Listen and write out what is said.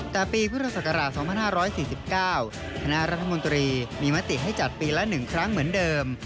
แต่ปีพุทธศักราช๒๕๔๙คณะรัฐมนตรีมีมติให้จัดปีละ๑ครั้งเหมือนเดิม